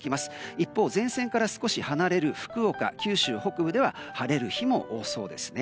一方前線から少し離れる福岡、九州北部では晴れる日も多そうですね。